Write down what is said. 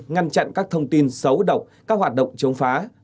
ngăn chặn các thông tin xấu độc các hoạt động chống phá